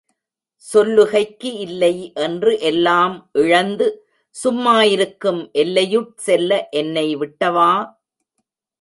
சொல்லுகைக்கு இல்லைஎன்று எல்லாம் இழந்து சும் மாஇருக்கும் எல்லையுட் செல்ல, எனைவிட்டவா!